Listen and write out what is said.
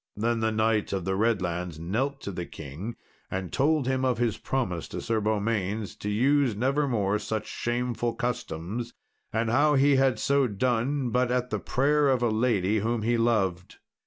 Then the Knight of the Redlands knelt to the king, and told him of his promise to Sir Beaumains to use never more such shameful customs; and how he had so done but at the prayer of a lady whom he loved.